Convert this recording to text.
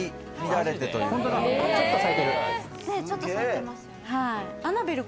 ちょっと咲いてる。